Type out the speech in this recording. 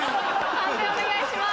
判定お願いします。